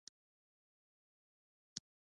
ګاونډیان شتون لري